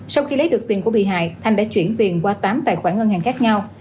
sau khi lấy được tiền của bị hại thanh đã chuyển tiền qua tám tài khoản ngân hàng khác nhau